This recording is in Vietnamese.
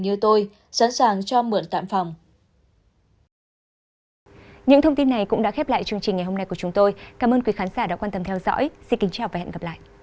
như tôi sẵn sàng cho mượn tạm phòng